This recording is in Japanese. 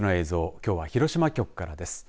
きょうは広島局からです。